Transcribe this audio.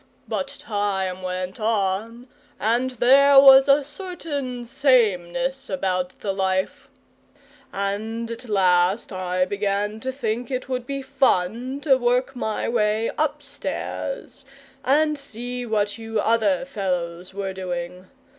But time went on, and there was a certain sameness about the life, and at last I began to think it would be fun to work my way upstairs and see what you other fellows were doing.